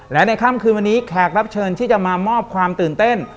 และในค่ำคืนวันนี้แขกรับเชิญที่จะมามอบความตื่นเต้น